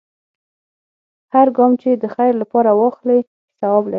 هر ګام چې د خیر لپاره واخلې، ثواب لري.